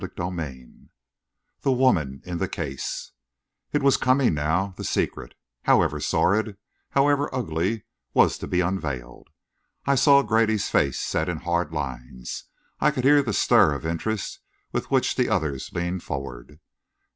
CHAPTER VI THE WOMAN IN THE CASE It was coming now; the secret, however sordid, however ugly, was to be unveiled. I saw Grady's face set in hard lines; I could hear the stir of interest with which the others leaned forward....